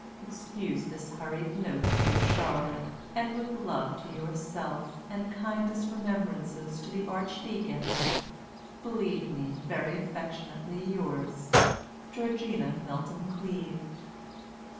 Excuse this hurried note, dear Charlotte, and with love to yourself and kindest remembrances to the Archdeacon, "Believe me, very affectionately yours, "GEORGINA MILTON CLEAVE.